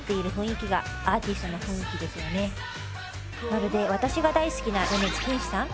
まるで私が大好きな米津玄師さん？